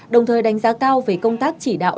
đồng thời đánh giá cao về công tác chỉ đạo